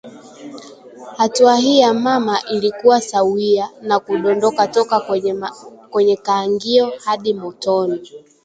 Hatua hii ya mama ilikuwa sawia na kudondoka toka kwenye kaangio hadi motoni